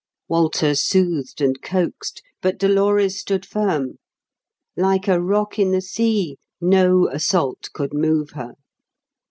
Walter soothed and coaxed; but Dolores stood firm. Like a rock in the sea, no assault could move her.